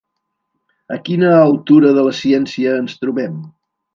A quina altura de la ciència ens trobem?